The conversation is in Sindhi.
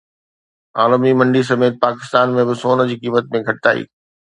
عالمي منڊي سميت پاڪستان ۾ به سون جي قيمت ۾ گهٽتائي